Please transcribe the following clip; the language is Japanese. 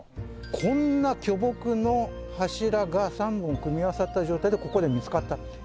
こんな巨木の柱が３本組み合わさった状態でここで見つかったんです。